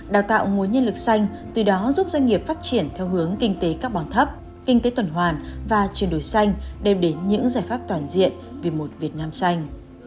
đào tạo nguồn nhân lực xanh từ đó giúp doanh nghiệp phát triển theo hướng kinh tế carbon thấp kinh tế tuần hoàn và chuyển đổi xanh đem đến những giải pháp toàn diện vì một việt nam xanh